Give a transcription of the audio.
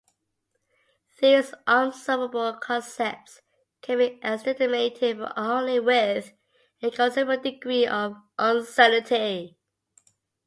These unobservable concepts can be estimated but only with a considerable degree of uncertainty